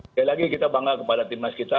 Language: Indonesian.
sekali lagi kita bangga kepada timnas kita